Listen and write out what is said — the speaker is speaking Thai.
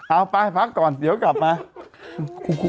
เอาไปพักก่อนเดี๋ยวกลับมา